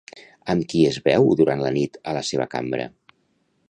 Amb qui es veu durant la nit a la seva cambra?